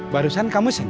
besok kita cari lagi